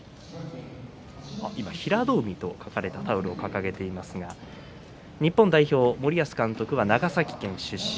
今、平戸海と書かれたタオルを掲げていますが日本代表森保監督は長崎県出身。